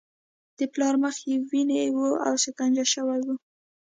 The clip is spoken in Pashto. د پلار مخ یې وینې و او شکنجه شوی و